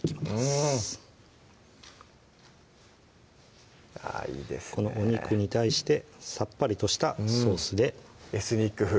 うんこのお肉に対してさっぱりとしたソースで「エスニック風」